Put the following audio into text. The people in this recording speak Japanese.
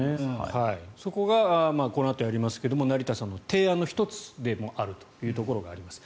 そこがこのあとやりますが成田さんの提案の１つでもあるというところがあります。